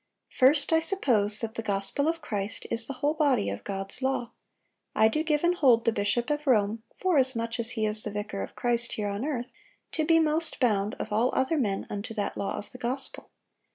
"First, I suppose that the gospel of Christ is the whole body of God's law.... I do give and hold the bishop of Rome, forasmuch as he is the vicar of Christ here on earth, to be most bound, of all other men, unto that law of the gospel.